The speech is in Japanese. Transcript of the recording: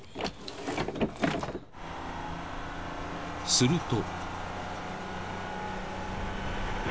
［すると］